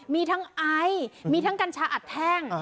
มีทั้งไอซ์มีทั้งกัญชาอัดแท่ง